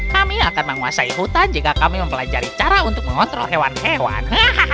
kami akan menguasai hutan jika kami mempelajari cara untuk mengontrol hewan hewan